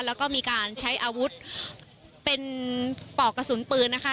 แล้วก็มีการใช้อาวุธเป็นปอกกระสุนปืนนะคะ